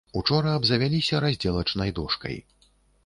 Учора абзавяліся раздзелачнай дошкай.